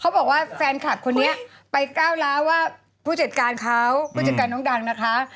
บอกว่าแฟนคลับคนนี้ไปก้าวล้าว่าผู้จัดการเขาผู้จัดการน้องดังนะคะ